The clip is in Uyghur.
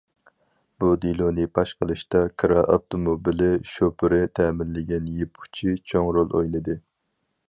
بۇ دېلونى پاش قىلىشتا كىرا ئاپتوموبىلى شوپۇرى تەمىنلىگەن يىپ ئۇچى چوڭ رول ئوينىدى.